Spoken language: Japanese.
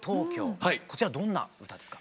こちらどんな歌ですか？